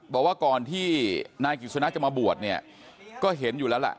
บอกว่าก่อนที่นายกิจสนะจะมาบวชเนี่ยก็เห็นอยู่แล้วล่ะ